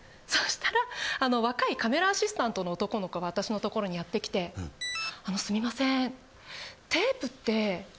そしたら若いカメラアシスタントの男の子が私の所にやって来て「あのすみません」。